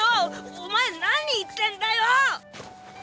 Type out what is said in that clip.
お前何言ってんだよォ！